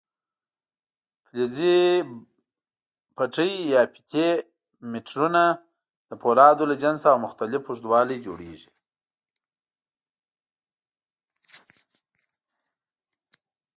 فلزي پټۍ یا فیتې میټرونه د فولادو له جنسه او مختلف اوږدوالي جوړېږي.